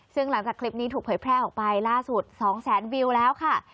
ซึ่งหลังจากคลิปนี้ถูกเผยแพร่ออกไปล่าสุด๒แสนวิวแล้วค่ะ